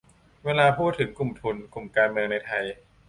เวลาพูดถึง กลุ่มทุน กลุ่มการเมือง ในไทย